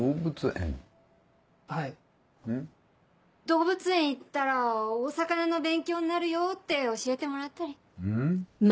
動物園行ったらお魚の勉強になるよって教えてもらったり。